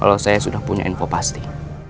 kalau saya sudah punya info pasti